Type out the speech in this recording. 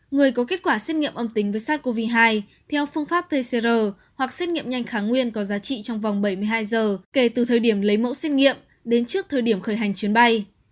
người có kết quả xét nghiệm âm tính với sars cov hai theo phương pháp pcr hoặc xét nghiệm nhanh kháng nguyên có giá trị trong vòng bảy mươi hai giờ kể từ thời điểm lấy mẫu xét nghiệm đến trước thời điểm khởi hành chuyến bay